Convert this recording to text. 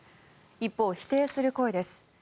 一方、否定する声です。